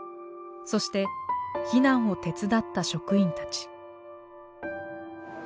そして避難を手伝った職員たち。